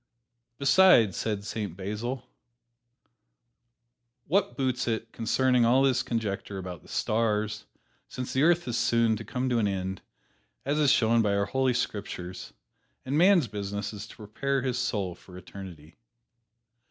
"Besides," said Saint Basil, "what boots it concerning all this conjecture about the stars, since the earth is soon to come to an end, as is shown by our Holy Scriptures, and man's business is to prepare his soul for eternity?"